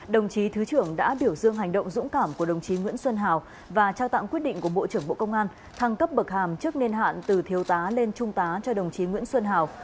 đồng chí thứ trưởng đã biểu dương hành động dũng cảm của đồng chí nguyễn xuân hào và trao tặng quyết định của bộ trưởng bộ công an thăng cấp bậc hàm trước niên hạn từ thiếu tá lên trung tá cho đồng chí nguyễn xuân hào